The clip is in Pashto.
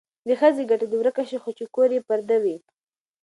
د ښځې ګټه دې ورکه شي خو چې کور یې پرده وي.